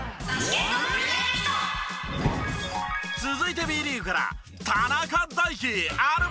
続いてＢリーグから。